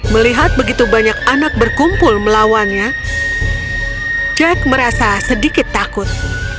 melihat begitu banyak anak berkumpul melawannya jack merasa sedikit takut